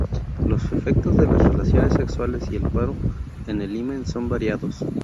Los efectos de las relaciones sexuales y el parto en el himen son variados.